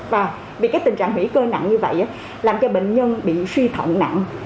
và vì cái tình trạng hủy cơ nặng như vậy làm cho bệnh nhân bị suy thận nặng